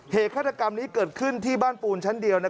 ฆาตกรรมนี้เกิดขึ้นที่บ้านปูนชั้นเดียว